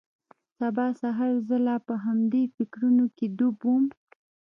سبا سهار زه لا په همدې فکرونو کښې ډوب وم.